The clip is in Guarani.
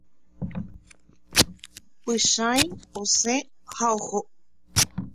Pychãi osẽ ha oho.